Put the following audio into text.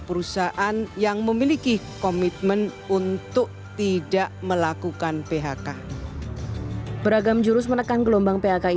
perusahaan yang memiliki komitmen untuk tidak melakukan phk beragam jurus menekan gelombang phki